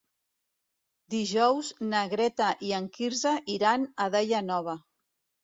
Dijous na Greta i en Quirze iran a Daia Nova.